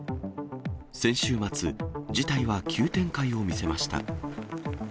先週末、事態は急展開を見せました。